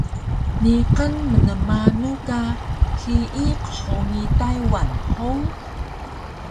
Niqan mnmanu ka hiyi qhuni Taywan hug?